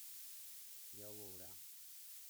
Ja ho veurà.